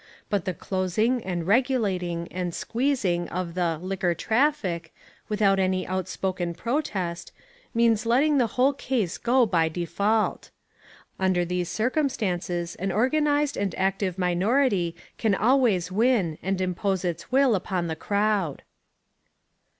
But the "closing" and "regulating" and "squeezing" of the "liquor traffic", without any outspoken protest, means letting the whole case go by default. Under these circumstances an organised and active minority can always win and impose its will upon the crowd.